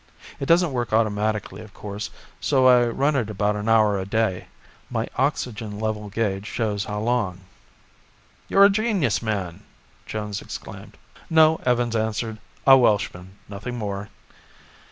It doesn't work automatically, of course, so I run it about an hour a day. My oxygen level gauge shows how long." "You're a genius, man!" Jones exclaimed. "No," Evans answered, "a Welshman, nothing more."